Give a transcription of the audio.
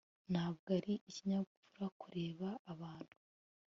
ntabwo ari ikinyabupfura kureba abantu